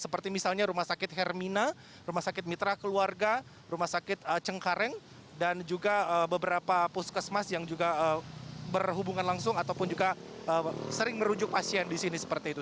seperti misalnya rumah sakit hermina rumah sakit mitra keluarga rumah sakit cengkareng dan juga beberapa puskesmas yang juga berhubungan langsung ataupun juga sering merujuk pasien di sini seperti itu